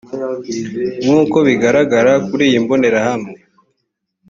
nk uko bigaragara kuri iyi mbonerahamwe